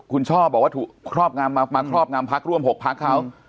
คุณชอบบอกว่าถูกครอบงามมามาครอบงามพักร่วม๖พักคราว